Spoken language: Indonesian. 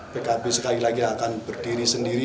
pkb sekali lagi akan berdiri sendiri